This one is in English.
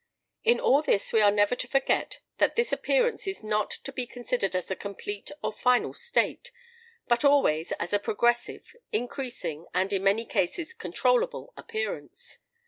In all this we are never to forget that this appearance is not to be considered as a complete or final state, but always as a progressive, increasing, and, in many senses, controllable appearance.